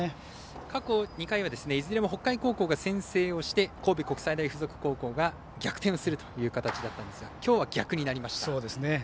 過去２回はいずれも北海高校が先制して神戸国際大付属が逆転をするという形だったんですがきょうは逆になりました。